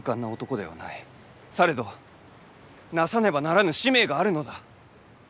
されどなさねばならぬ使命があるのだ。